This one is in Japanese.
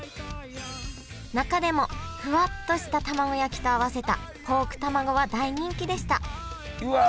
中でもふわっとしたたまご焼きと合わせたポークたまごは大人気でしたうわ